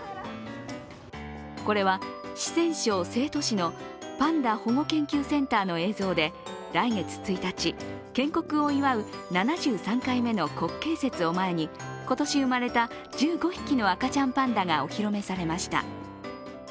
これは四川省成都市のパンダ保護研究センターの映像で来月１日、建国を祝う７３回目の国慶節を前に今年生まれた１５匹の赤ちゃんパンダがお披露目されました。